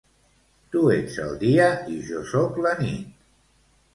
Tu ets el dia i jo sóc la nit